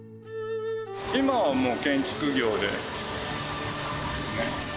今はもう、建築業ですね。